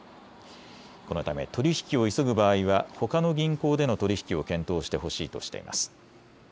このため取り引きを急ぐ場合はほかの銀行での取り引きを検討してほしいとしています。